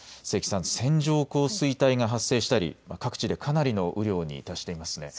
線状降水帯が発生したり各地でかなりの雨量に達していますね。